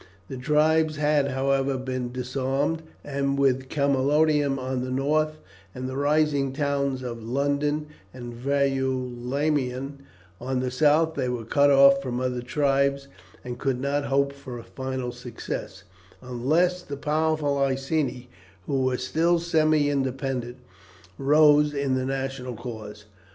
The tribe had, however, been disarmed, and with Camalodunum on the north, and the rising towns of London and Verulamium on the south, they were cut off from other tribes, and could not hope for final success, unless the powerful Iceni, who were still semi independent, rose in the national cause.